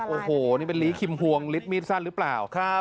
โอ้โหนี่เป็นลีคิมพวงลิดมีดสั้นหรือเปล่า